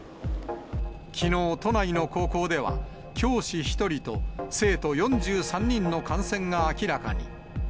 きのう、都内の高校では、教師１人と生徒４３人の感染が明らかに。